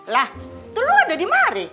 lah tuh lu ada di mari